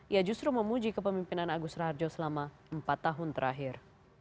ia justru memuji kepemimpinan agus raharjo selama empat tahun terakhir